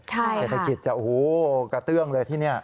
ใช่ค่ะเศรษฐกิจจะกระเตื้องเลยที่นี่